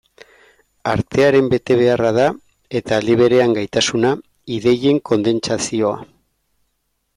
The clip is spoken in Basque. Artearen betebeharra da, eta aldi berean gaitasuna, ideien kondentsazioa.